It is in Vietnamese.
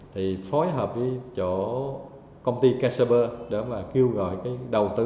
thì phối hợp với chỗ công ty kcerber để mà kêu gọi cái đầu tư